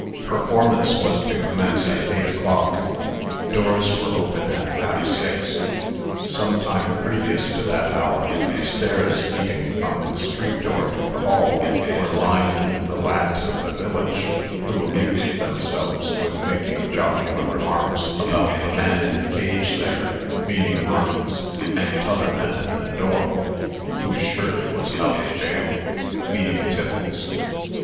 Performance was to commence at 8 o'clock. Doors were open at 61/2. Some time previous to that hour, the stairs leading from the street door to the hall were lined with the lads of the village, who amused themselves with making jocular remarks about "the man in the cage there" (meaning Marcus), and "t'other man at the door, whose shirt was out of jail" (meaning Tiffles).